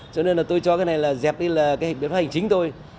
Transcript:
cho nên là tôi cho cái này là dẹp đi là cái biến phát hành chính thôi